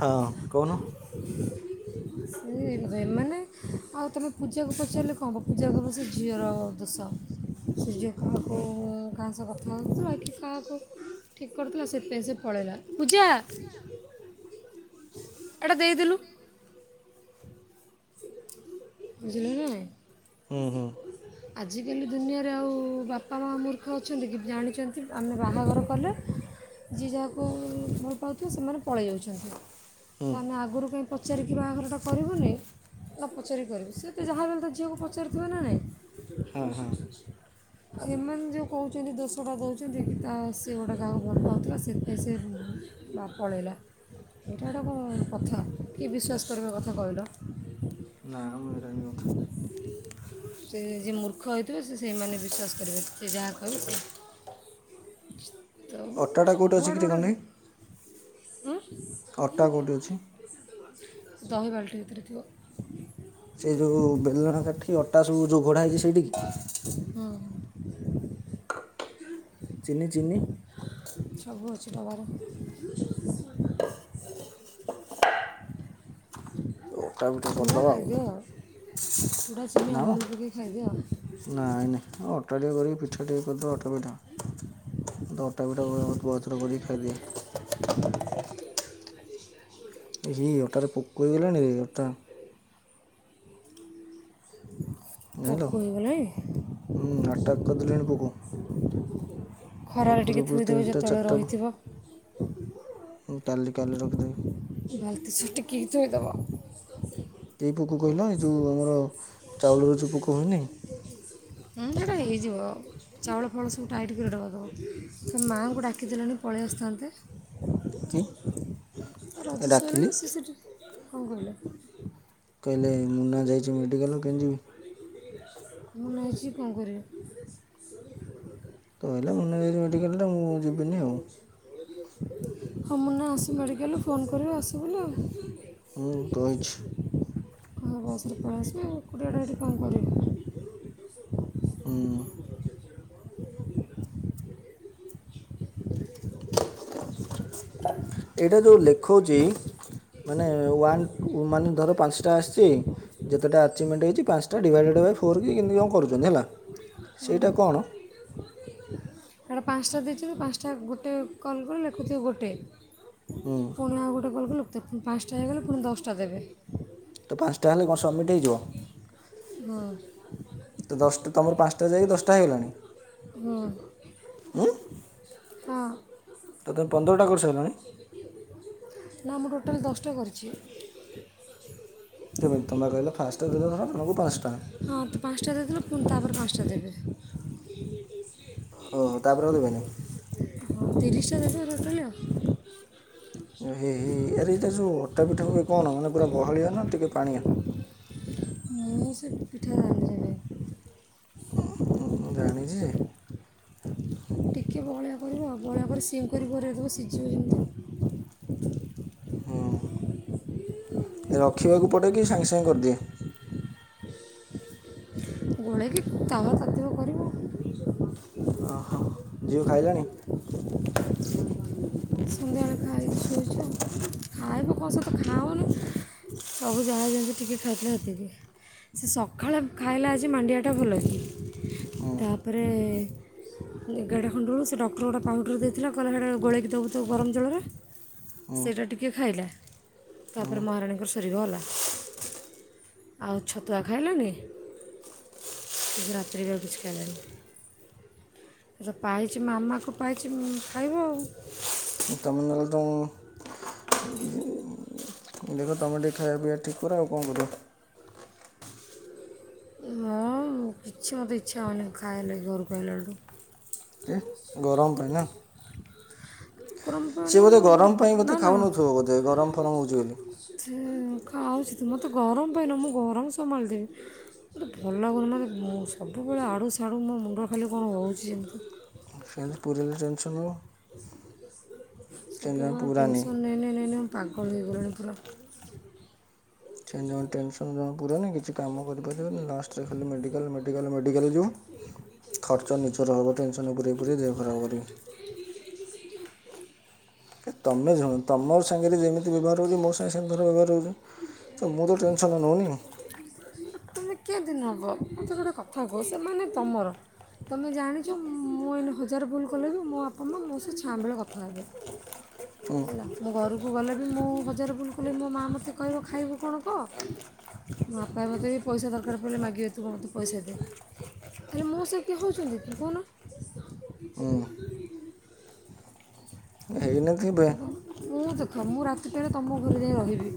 ହଁ କହୁନ। ସେ ଏ-ଏମାନେ ଆଉ ତୁମେ ପୂଜାକୁ ପଚାରିଲେ କଣ ହେବ ପୂଜାକୁ ପ- ସେ ଝିଅର ଦୋଷ। ସିଏ ଯଉ କାହା-କଉ -କାହା ସହ କଥା ହଉଥୁଲ ଏଠି କାହାକୁ ଠିକ୍ କରୁଥିଲା ସେଥିପାଇଁ ସେ ପଳେଇଲା। [inaudible] ବୁଝିଲୁ ନା ନାଇଁ? ହୁଁ -ହୁଁ। ଆଜିକାଲି ଦୁନିଆରେ ଆଉ ବାପା ମା ମୂର୍ଖ ଅଛନ୍ତି କି ଜାଣିଚନ୍ତି ଆମେ ବାହାଘର କଲେ ଯିଏ ଯାହାକୁ ଭଲ ପାଉଥିବ ସେମାନେ ପଳେଇ ଯାଉଚନ୍ତି। ହୁଁ ତ ଆମେ ଆଗୁରୁ କାହିଁ ପଚାରିକି ବାହାଘରଟା କରିବୁନି। ତ ପଚାରିପାରିବେ ସେ ତ ଯାହାବି ହେଲେ ତ ଝିଅକୁ ପଚାରିଥିବେ ନା ହଁ ହଁ ନାଇଁ। ହେମାନେ ଯଉ କହୁଚନ୍ତି ଦୋଷ ଟା ଦଉଚନ୍ତି କି ତା ସିଏ ଗୋଟେ କାହାକୁ ଭଲ ପାଉଥିଲା ସେଥିପାଇଁ ସେ ବା ପଳେଇଲା ଏଇଟା ଗୋଟେ କଣ୍ କଥା କିଏ ଏସ୍ ବିଶ୍ୱାସ କରିବ କଥା କହିଲ। ନାଁ ମୁଁ ଯାଇନି। ସେ ଯିଏ ମୂର୍ଖ ହେଇଥିବେ ସେ ସେଇମାନେ ବିଶ୍ୱାସ କରିବେ ସେ ଯାହା କହିବ ସେ ତ ଅଟାଟା କେଉଁଠି ସମ୍ବୁ ଅଛି କିରେ ଆଡୁ ଗୋଟେ କହନି ଗେ-ଉଁ- ଅଟା କଉଠି ଅଛି? ଦହି ବାଲ୍ଟି ଭିତରେ ଥିବ। ସେ ଯଉ ବେଲଣା କାଠି ଅଟା ସବୁ ଯଉ ଘୋଡ଼ା ହେଇଚି ସେଇଠିକି। ହୁଁ। ଚିନି ଚିନି। ସବୁ ଅଛି ଟବାରେ। ଅଟା ପିଠା ଚୁଡ଼ା କରିଦେବା ଆଉ ଖାଇଦିଅ। ଚୁଡ଼ା, ଚିନି, ନା ମ ଅମୁଲ ପକେଇ ଖାଇଦିଅ। ନାଇଁ ନାଇଁ। ଅଟା ଟିକେ କରିକି ପିଠା ଟିକେ କରିଦବା ଅଟା ପିଠା। ତ ଅଟାପିଟା [unintelligible] ବହୁତଥର କରିକି ଖାଇଦିଏ। [inaudible] ଇହି ଅଟାରେ ପୋକ ହେଇଗଲାଣି ରେ ଅଟା। ଜାଇଁଲ, ପୋକ ହେଇଗଲାଣି ଉଁ ଆଟାକ୍ କରିଦେଲେଣି ପୋକ। ଖରାରେ ଉପରୁ ଟିକେ ଉପରୁ ଥୋଇଦେବ ତିନିଟା ଯେତେବେଳେ ଚାରିଟା ରହିଥିବ। ମୁଁ କାଲି କାଲି ରଖିଦେବି। ବାଲଟି ସହ ଟେକିକି ଥୋଇଦବ। କି ପୋକ କହିଲ ଏ ଯୋଉ ଆମର ଚାଉଳର ଯୋଉ ପୋକ ହୁଏନି ସେଟା ହେଇଯିବ। ଚାଉଳ ଫାଉଳ ସବୁ ଟାଇଟ୍ କରି ଡବା ଦବ। ସେ ମାଆଙ୍କୁ ଡାକିଦେଲନି ପଳେଇ ଆସିଥାନ୍ତେ। କି ରଜ ଡାକିଲି ସଇଲାଣି ସେ ସେଠି କଣ କହିଲା? କହିଲେ ମୁନା ଯାଇଚି ମେଡ଼ିକାଲ କୁ କେମିତି ଯିବି। ମୁନା ଯାଇଚି କଣ କରିବି। ତହିଲେ ମୁନା ଯାଇଚି ମେଡ଼ିକାଲଟା ମୁଁ ଯିବିନି ଆଉ। [unintelligible] ହଁ ମୁନା ଆସୁ ମେଡ଼ିକାଲରୁ ଫୋନ୍ କରିବ ଆସ ବୋଲି ଆଉ। ହୁଁ କହିଛି। ମୋ ବସରେ ପଳେଇ ଆସିବେ ଏକୁଟିଆ ଟା ଏଠି କଣ କରିବେ। ହୁଁ। [inaudible] ଏଇଟା ଯୋଉ ଲେଖଉଚି ମାନେ ୱାନ୍ ମାନେ ଧର ପାଞ୍ଚଟା ଆସିଚି ଯେତେଟା ଆଚିଭମେଣ୍ଟ ହେଇଚି ପାଞ୍ଚଟା ଡିଭାଇଡେଡ଼୍ ବାଇ ଫୋର୍ କି କେମିତି କଣ କରୁଛନ୍ତି ହେଲା। ସେଇଟା କଣ ହେଟା ପାଞ୍ଚଟା ଦେଇଥିବେ ପାଞ୍ଚଟା ଗୋଟେ କଲ୍ କଲେ ଲେଖୁଥିବ ଗୋଟେ। ହୁଁ ପୁଣି ଆଉ ଗୋଟେ କଲ୍ କଲୁ, ପୁଣି ପାଞ୍ଚଟା ହେଇଗଲେ ପୁଣି ଦଶଟା ଦେବେ। ତ ପାଞ୍ଚଟା ହେଲେ କଣ ସବମିଟ୍ ହେଇଯିବ? ହଁ। ତ ଦଶଟ୍ ତମର ପାଞ୍ଚଟା ଯାଇକି ଦଶଟା ହେଇଗଲାଣି? ହୁଁ ହୁଁ ହଁ। ତ ତମେ ପନ୍ଦରଟା କରିସାରିଲାଣି? ନା ମୁଁ ଟୋଟାଲ ଦଶଟା କରିଚି। କେମିତି ତମେ ପା କହିଲ ଫାଷ୍ଟେ ଦେଲେ ଧର ହବୁ ପାଞ୍ଚ୍ ଟା। ହଁ ତ ପାଞ୍ଚ୍ ଟା ଦେଇଥିଲୁ ପୁଣି ତାପରେ ପାଞ୍ଚଟା ଦେବେ। ଓହୋ ତାପରେ ଆଉ ଦେବେନି? ହଁ- ତିରିଶ୍ ଟା ଦେବେ ଟୋଟାଲି ଆଉ। ହେ- ହେ- ଆରେ ଏଇଟା ଯଉ ଅଟା ପିଠା ହୁଏ କଣ ମାନେ ପୁରା ବହଳିଆ ନା ଟିକେ ପାଣିଆ? ମୁଁ ସେ ପିଠା ଜାଣିନିରେ ଭାଇ। ହୁଁ, ମୁଁ ଜାଣିଚି ଯେ ଟିକିଏ ବହଳିଆ କରିବ ଆଉ ବହଳିଆ କରି ସିମ୍ କରି ଘୋରେଇ ଦବ ସିଜିବ ଯେମିତି। ହଁ। ରଖିବାକୁ ପଡ଼େ କି ସାଙ୍ଗେ ସାଙ୍ଗେ କରିଦିଏ? ଗୋଳେଇକି ତାୱା ତାତିବ କରିବ। ଓହୋ- ଝିଅ ଖାଇଲାଣି? ସନ୍ଧ୍ୟାବେଳେ ଖାଇକି ଶୋଇଚି ଆଉ ଖାଇବ କଣ ସେ ତ ଖାଉନି। ସବୁ ଯାହା ଯେମତି ଟିକେ ଖାଇଥିଲେ ହେତିକି। ସେ ସଖାଳେ ଖାଇଲା ଆଜି ମାଣ୍ଡିଆଟା ଭଲ କି ତା ପରେ ଏଗାର୍ ଟା ଖଣ୍ଡରୁ ସେ ଡକ୍ଟର ଗୋଟେ ପାଉଡର୍ ଦେଇଥିଲା କହିଲା ହେଡ଼ା ଗୋଳେଇକି ଦବୁ [unintelligible] ଗରମ୍ ଜଳରେ। ସେଇଟା ଟିକେ ଖାଇଲା ତାପରେ ମହାରାଣୀଙ୍କର ସରିଗଲା। ଆଉ ଛତୁଆ ଖାଇଲାନି କି ସେ ରାତିରେ ବି ଆଉ କିଛି ଖାଇଲାଣି। ସେ ପାଇଚି ମାମାକୁ ପାଇଚି ଉଁ -ଖାଇବ ଆଉ। [unintelligible] ତମୁକୁ ଦେଖ ତମେ ଟିକେ ଖାଇବା ପିଇବା ଠିକ୍ କର ଆଉ କଣ କରିବ। ହଁ କିଛି ମୋତେ ଇଚ୍ଛା ହଉନି ଖାଇବା ଲାଗି ଘରୁକୁ ଆଇଲାଠୁ। ଏ ଗରମ ପାଇଁ ନା? ଗରମ ପାଇନ ସିଏ ବୋଧେ ମୁଁ ମୋତେ ଗରମ ପାଇଁ ନା ବୋଧେ ନା ଖାଉନଥୁବ ବୋଧେ ଗରମ ଫରମ ହଉଛି ବୋଲି। ସେ ଖାଉଛି ତୁ ମୋତେ ଗରମ ପାଇଁ ନୁହଁ, ମୁଁ ଗରମ ସମ୍ଭାଳି ଦେବି। କିଛି ଭଲ ଲାଗୁନି ମାନେ ମୁଁ ସବୁବେଳେ ଆଡ଼ୁ ସାଡ଼ୁ ମୋ ମୁଣ୍ଡ ଖାଲି କଣ ହଉଛି ଯେମିତି ସେମିତି ପୁରେଇଲେ ଟେନସନ। କୁହ ଆମେ ପୁରାନି ଟେନସନ୍ ନେଇ ନେଇ ନେଇ ନେଇ ମୁଁ ପାଗଳ ଦେଇଗଲିଣି ପୁରା। ସେ ଜମା ଟେନସନୂ ଜମା ପୁରାନି କିଛି କାମ କରିପାରିବନି ଲାଷ୍ଟରେ ଖାଲି ମେଡିକାଲ୍ ମେଡିକାଲ୍ ମେଡିକାଲ୍ ଯିବ। ଖର୍ଚ୍ଚ ନିଜର ହବ ଟେନସନ୍ ପୁରେଇ ପୁରେଇ ଦେହ ଖରାପ କରି। ଏ ତୋମେ ଶୁଣ ତୋମ ସାଙ୍ଗରେ ଯେମିତି ବ୍ୟବହାର ହଉଚି ମୋ ସାଙ୍ଗେ ସେମତି ଧର ବ୍ୟବହାର ହଉଚୁ। ତ ମୁଁ ତ ଟେନସନ୍ ନଉନି। ଏ ତୁମେ କେମତି ନବ ମୋତେ ଗୋଟେ କଥା କୁହ ସେମାନେ ତୋମର ତୋମେ ଜାଣିଚ ମୁଁ ଏଇନେ ହଜାରେ ଭୁଲ କଲେବି ମୋ ବାପା ମା ମୋ ସହ ଛାଁ ବେଳ କଥା ହେବେ। ହୁଁ ହେଲା। ମୁଁ ଘରକୁ ଗଲେ ବି ମୁଁ ହଜାରେ ଭୁଲ କଲେ ମୋ ମାଆ ମୋତେ କହିବ ଖାଇବୁ କଣ କଅ। ବାପା ମୋତେ ବି ପଇସା ଦରକାର ପଇଲେ ମାଗିବେ ତୁ ମୋତେ ପଇସା ଦେ, ହେଲେ ମୋ ସ କିଏ ହଉଛନ୍ତି କି କହୁନ? ଅଁ, ହେଇ ତ ନଥିବେ। ତମ- ମୁଁ ଦେଖ ମୁଁ ରାତି ପାହିଲେ ତୋମ ଘରେ ଯାଇ ରହିବି।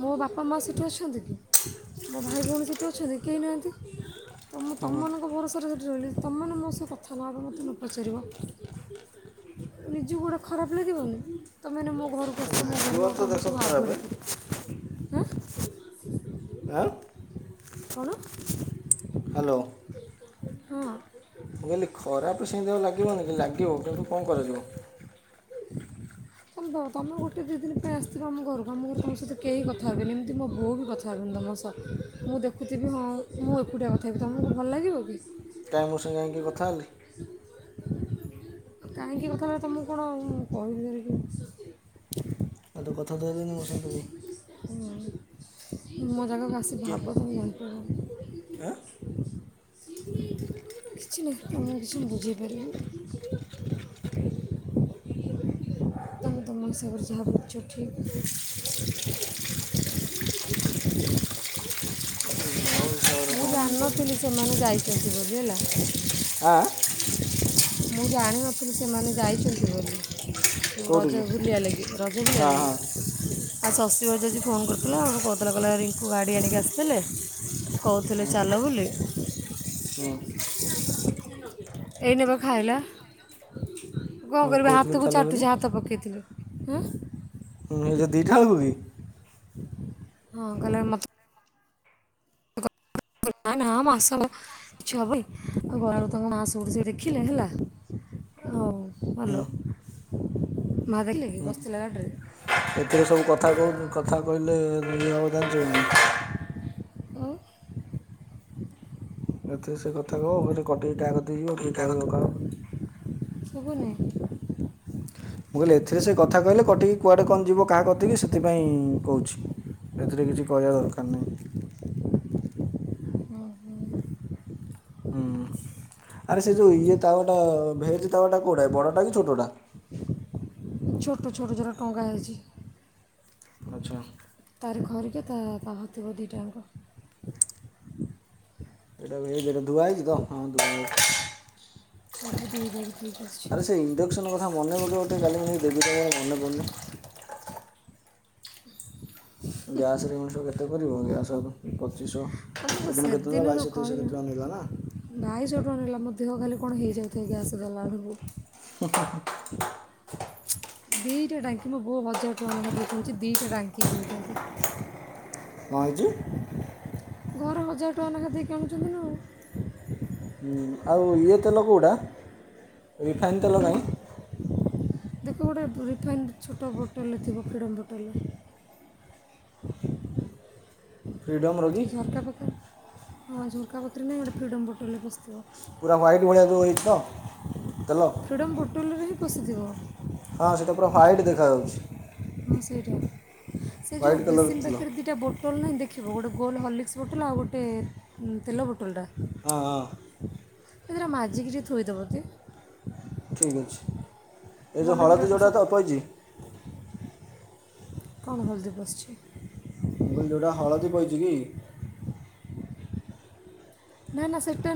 ମୋ ବାପା ମାଆ ସେଠି ଅଛନ୍ତି କି? ମୋ ଭାଇ ଭଉଣୀ ସେଠି ଅଛନ୍ତି କେହି ନାହାନ୍ତି। ତ ମୁଁ ତୋମ ମାନଙ୍କ ଭରସାରେ ସେଠି ରହିଲି ତୋମମାନେ ମୋ ସହ କଥା ନହବ, ମୋତେ ନ ପଚାରିବ। ନିଜକୁ ଗୋଟେ ଖରାପ ଲାଗିବନି। ତୋମେ ଏଇନେ ମୋ ଘରକୁ ଆସିବ ମୋ ଲାଗିବ ଘର ତ ଲୋକ ତୋମକୁ ଦେଖ ସବୁ ଖରାପ ଆଭଏଡ୍ କରି [inaudible] ଆଁ, କଣ? ହାଲୋ। ହଁ। ମୁଁ କହିଲି ଖରାପ ସେମିତି ଆଉ ଲାଗିବନି କି ଲାଗିବ, କିନ୍ତୁ କଣ କରାଯିବ? ତୋମେ ଭାବ ତୋମେ ଗୋଟେ ଦି ଦିନ ପାଇଁ ଆସିଥିବ ଆମ ଘରକୁ, ଆମ ଘରେ ତୋମ ସହିତ କେହି କଥା ହେବେନି। ଏମିତି ମୋ ବୋଉ ବି କଥା ହବନି ତୋମ ସହ ମୁଁ ଦେଖୁଥିବି ହଁ ମୁଁ ଏକୁଟିଆ କଥା ହେବି ତୋମକୁ ଭଲ ଲାଗିବ କି? କାଇଁ ମୋ ସାଙ୍ଗେ କାଇଁ କିଏ କଥା ହେଲେ? କାହିଁକି କଥା [unintelligible] ତୋମକୁ କଣ ମୁଁ କହିବି ଧରି [unintelligible] ଆଉ ତ କଥା ତ ହେଲେନି ମୋ ସହିତ କେହି। [inaudible] ମୋ ଜାଗାକୁ ଆସି କିଏ ଭାବ ତୋମେ ଜାଣି ଆଁ [inaudible] କିଛି ନାହିଁ, ତୋମକୁ କିଛି ମୁଁ ବୁଝେଇ ପାରିବି ନାହିଁ। ତୋମେ ତୋମ ହିସାବରେ ଜାହା ଭାବୁଛ ଠିକ୍। ମୋ ହିସାବରେ ମୁଁ କ'ଣ ଜାଣନଥିଲି କହିବି ସେମାନେ ଯାଇଚନ୍ତି ବୋଲି ହେଲା। ଆ, ଆ, ମୁଁ ଜାଣିନଥିଲି ସେମାନେ ଯାଇଚନ୍ତି ବୋଲି। ଯୋଉ କୋଉଠିକି ରଜ ବୁଲିବା ଲାଗି, ରଜ ବୁଲିବା ହଁ ଲାଗି ହଁ ଆଉ ଶଶୀ ଭାଉଜ ଆଜି ଫୋନ୍ କରିଥିଲା ଆଉ କହୁଥୁଲା କହିଲା ରିଙ୍କୁ ଗାଡ଼ି ଆଣିକି ଆସିଥିଲେ କହୁଥିଲେ ଚାଲ ବୋଲି। ହଁ। ଏଇନେ ପା ଖାଇଲା। କଣ ହଁ କରିବି କହୁଥିଲ ହାତକୁ ଚାଲ ବୋଲି ଛାଟୁଚି ହାତ ପକେଇ ଥିଲି। ଦିଇଟା ହାଖୁ କି। ହଁ, କହିଲା ମତ୍ ନା ମାସକ କିଛି ହବନି। [unintelligible] ଦେଖିଲେ ହେଲା। ହଉ ହୁଁ ଭଲୋ। ମା ଦେଖିଲେ କି ବସିଥିଲା ଗାଡ଼ି ରେ? ଏଥିରେ ସବୁ କଥା କହୁ କଥା କହିଲେ ଇଏ ହବ ଜାଣିଚ କି ନାଇଁ? [unintelligible] ଏଥିରେ ସେ କଥା କହିବ ଫେରେ କଟିକି କାହା କତିକି ଯିବ କିଏ କହିବ କାହାକୁ। ଶୁବୁନି। ମୁଁ କହିଲି ଏଥିରେ ସେ କଥା କହିଲେ କଟିକି କୁଆଡ଼େ କଣ ଯିବ କାହା କତିକି ସେଥିପାଇଁ କହୁଚି। ଏଥିରେ କିଛି କହିବା ଦରକାର ନାହିଁ। ହୁଁ। ଆରେ ସେ ଯେଉଁ ଇଏ ତାୱା ଟା ଭେଜ୍ ତାୱା ଟା କୋଉଟା ଏ ବଡ଼ଟା କି ଛୋଟଟା? ଛୋଟ ଛୋଟ ଯୋଉରା ଟଙ୍ଗା ହେଇଚି। ଆଚ୍ଛା। ତାରି ଖରିକା ତା ପାହ ଥିବ ଦିଇଟା ଆଙ୍କ। ଏଇଟା ଧୁଆ ହେଇଚି ତ? ହଁ ଧୁଆ ହେଇଚି। ସବୁ ଧୋଇ ଦେଇକି ଥୋଇ କି ଆସିଚି। ଏ ଇଣ୍ଡକ୍ସନ କଥା ମନେ ପକେଇବ ଟିକେ କାଲି ମୁଁ ଦେବି ତାକୁ ମୋର ମନେ ପଡ଼ୁନି। ଗ୍ୟାସ ରେ ମଣିଷ କେତେ କରିବ। ଗ୍ୟାସ ଆଗ ପଚିଶିଶହ, ତମକୁ ସେଦିନ କେତେ ନେଲା ବାଇଶହ ତେଇଶ ଶହ କେତେ ଟଙ୍କା ନେଲା ନା? ବାଇଶ ଟଙ୍କା ନେଲା। ମୋ ଦେହ ଖାଲି କଣ ହେଇଯାଉଥାଏ ଗ୍ୟାସ୍ ଦେଲାବେଳକୁ। ହୁଁ ହୁଁ ହୁଁ। ଦିଇଟା ଟାଙ୍କି ମୋ ବୋଉ ହଜାର ଟଙ୍କା ଲେଖା ଦେଇ କିଣୁଚି ଦିଇଟା ଟାଙ୍କି କିଣିଥାନ୍ତି। କଣ ହେଇଚି? ଘରେ ହଜାର ଟଙ୍କା ନେଖା ଦେଇକି ଆଣୁଛନ୍ତି ନା ଆଉ। ହୁଁ। ଆଉ ଇଏ ତେଲ କୋଉଟା ରିଫାଇନ୍ ତେଲ କାଇଁ? ଦେଖ ଗୋଟେ ରିଫାଇନ୍ ଛୋଟ ବୋଟୋଲ୍ ରେ ଥିବ ଫ୍ରିଡମ୍ ବୋଟୋଲ୍ ରେ। ଫ୍ରିଡ଼ମ୍ର କି ସେ ଝରକା ପାଖେ ହଁ ଝରକା ପାଖରେ ନାହିଁ ଗୋଟେ ଫ୍ରିଡ଼ମ୍ ବୋଟଲରେ ପସିଥିବ। ପୁରା ହ୍ୱାଇଟ୍ ଭଳିଆ ଯଉ ହେଇଚି ତ ତେଲ? ଫ୍ରିଡ଼ମ୍ ବୋଟଲ୍ ରେ ହିଁ ପସିଥିବ। ହଁ ସେଇଟା ପୁରା ହ୍ୱାଇଟ୍ ଦେଖାଯାଉଚି। ହଁ ସେଇଟା। ସେ ଯଉ ହ୍ୱାଇଟ୍ କଲର୍ ବେସିନ୍ ତେଲ ପାଖିରେ ଦିଟା ବୋ ବୋଟଲ୍ ନାହିଁ ଦେଖିବ, ଗୋଟେ ଗୋଲ୍ ହରଲିକ୍ସ ବୋଟଲ୍ ଆଉ ଗୋଟେ ତେଲ ବୋଟଲଟା। ହଁ ହଁ। ସେ ଦିଟା ମାଜିକି ଟିକେ ଥୋଇଦବ ତି। ଠିକ୍ ଅଛି। ଏ ଯେଉଁ ଭଲ କି ହଳଦୀ ପୁରା ଯେଉଁଟା ସ ତ ପଇଛି କଣ ହଲଦୀ ପସିଚି। ମୁଁ କହିଲି ଯୋଉଟା ହଳଦୀ ପଇଚି କି? ନା ନା ସେଟା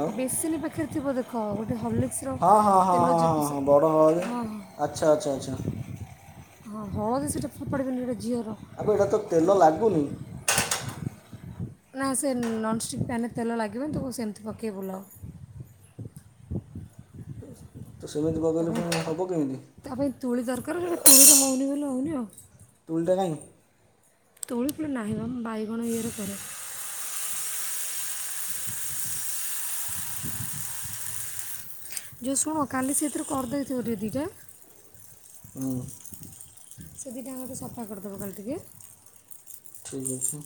ଆଉ ବେସିନ ପାଖ ଖେରେ ଥିବ ଦେଖ, ଗୋଟେ ହଲି କ୍ସ ର ହଁ ହଁ ହଁ ତେଲ ହଁ ଯଉ ହଁ ହଁ [unintelligible] ବଡ଼ ହଳଦୀ ହଁ ହଁ। ଆଚ୍ଛା ଆଚ୍ଛା ଆଚ୍ଛା ହଁ। ହଳଦି ସେଇଟା ଫୋପାଡ଼ିବନି ହେଟା ଝିଅର। ଆବେ ଏଇଟା ତ ତେଲ ଲାଗୁନି। ନା ସେ ନନଷ୍ଟିକ୍ ପ୍ୟାନ୍ ରେ ତେଲ ଲାଗିବନି ତାକୁ ସେମିତି ପକେଇ ବୁଲାଅ। ତ ସେମିତି ତା ପଗାଇଲେ ପାଇଁ ପୁଣି ହେବ କେମିତି? ତା ପାଇଁ ତୁଳି ଦରକାର ସେଟା ତୁଳିର ହଉନି ବୋଲି ହେଉନି ଆଉ। ତୁଳି ଟା କାଇଁ? ତୁଳି ଫୁଳି ନାହିଁ ବା, ବାଇଗଣ ଇଏରେ କରେ। ଯୋଉ ଶୁଣ କାଲି ସେଇଥିରେ କରିଦେଇଥିବ ଟିକେ ଦିଟା। ହୁଁ। ସେ ଦିଟାଙ୍କ ଟିକେ ସଫା କରିଦବ କାଲି ଟିକେ। ଠିକ୍ ଅଛି।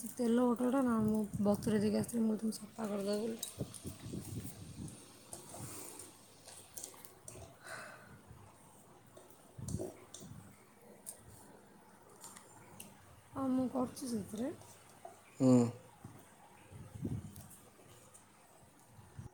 ସେ ତେଲ ବୋଟଲ ଟା ନା ମୁଁ ବତୁରେଇ ଦେଇକି ଆସିଥିଲି ମୁଁ କହିଲି ତମେ ସଫା କରିଦବ ବୋଲି। ହଁ ମୁଁ କରୁଛି ସେଥିରେ। ହୁଁ।